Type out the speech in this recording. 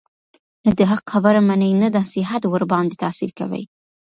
نه د حق خبره مني، نه نصيحت ورباندي تأثير كوي،